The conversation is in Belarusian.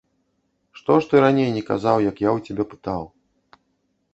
Што ж ты раней не казаў, як я ў цябе пытаў?